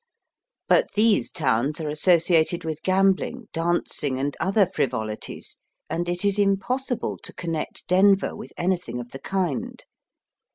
But these towns are associated with gambling, dancing, and other frivoUties, and it is im possible to oonnect Denver with anything of the kind.